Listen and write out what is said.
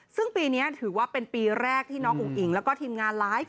ซึ่งปีนี้ถือว่าเป็นปีแรกที่น้องอุ๋งอิ๋งแล้วก็ทีมงานไลฟ์